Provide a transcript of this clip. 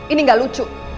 ini gak lucu